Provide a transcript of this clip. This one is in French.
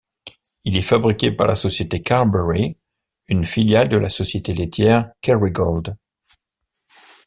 Il est fabriqué par la société Carbery, une filiale de la société laitière Kerrygold.